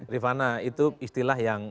rifana itu istilah yang